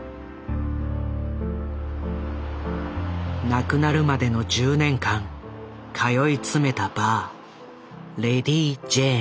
亡くなるまでの１０年間通い詰めたバーレディ・ジェーン。